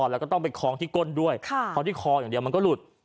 แล้วก็ต้องไปคล้องที่ก้นด้วยเพราะที่คออย่างเดียวมันก็หลุด